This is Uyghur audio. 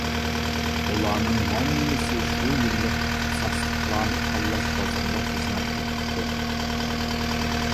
ئۇلارنىڭ ھەممىسى شۇ يىللىق ئىختىساسلىقلارنى تاللاش بازىرىدا خىزمەت تېپىپتۇ.